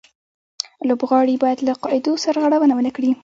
لوبغاړي باید له قاعدو سرغړونه و نه کړي.